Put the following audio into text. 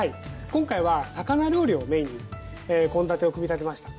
今回は魚料理をメインに献立を組み立てました。